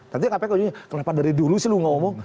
nanti kpk ujungnya kenapa dari dulu sih lu ngomong